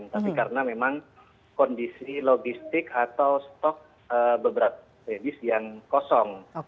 tapi karena memang kondisi logistik atau stok beberat medis yang kosong